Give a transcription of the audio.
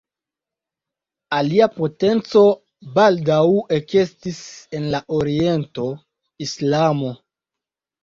Alia potenco baldaŭ ekestis en la oriento: Islamo.